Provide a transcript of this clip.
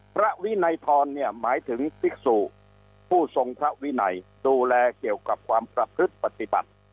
พระวินัยทรเนี่ยหมายถึงภิกษุผู้ทรงพระวินัยดูแลเกี่ยวกับความประพฤติปฏิบัติ